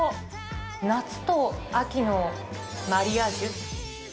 夏と秋のマリアージュ。